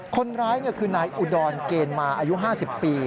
คนร้ายคือนายอุดรเกณฑ์มาอายุ๕๐ปี